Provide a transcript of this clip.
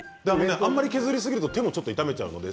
あまり削りすぎると手を痛めてしまうので。